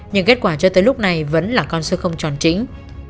nhưng kết quả cho tới lúc này vẫn là con sư không chọn chính